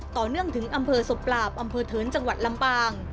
ต่อเนื่องถึงอำเภอศพปราบอำเภอเถินจังหวัดลำปาง